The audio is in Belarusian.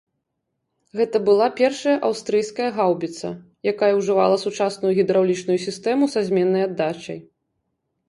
Гэта была першая аўстрыйская гаўбіца, якая ужывала сучасную гідраўлічную сістэму са зменнай аддачай.